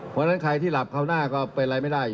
เพราะฉะนั้นใครที่หลับเข้าหน้าก็เป็นอะไรไม่ได้